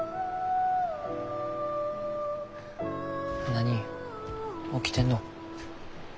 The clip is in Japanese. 何起きてんの。